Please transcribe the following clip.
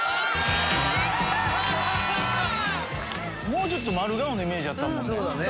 もうちょっと丸顔のイメージやったもんね。